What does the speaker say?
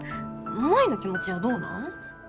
舞の気持ちはどうなん？